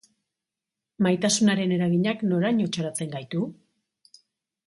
Maitasunaren eraginak noraino txoratzen gaitu?